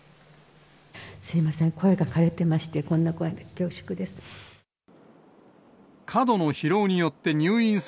すみません、声がかれてまして、こんな声で恐縮です。